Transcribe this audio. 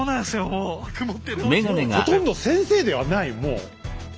もうほとんど先生ではないもう。